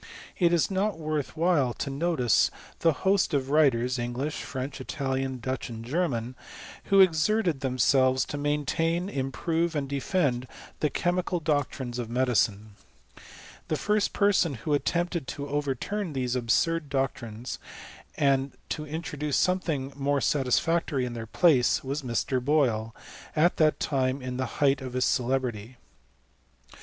It is not worth while to notice the host of wrilers— I Bngliah, French, Italian, Dutch, and German, who i exerted themselves to maintain, improve, and defend, the chemical doctrines of medicine. The first person who attempted to overturn these absurd doctrines, and to introduce something more satisfactory in their idaee, was Mr. Boyle, at that time in the height of nil celebrity.